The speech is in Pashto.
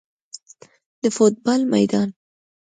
د فوټبال میدان